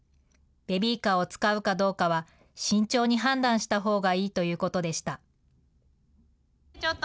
ベビーカーを使うかどうかは慎重に判断したほうがいいということでした。